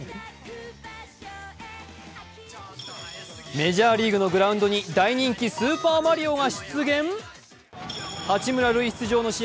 メジャーリーグのグラウンドに大人気、スーパーマリオが。